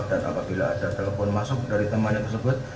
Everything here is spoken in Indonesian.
dan apabila ada telepon masuk dari temannya tersebut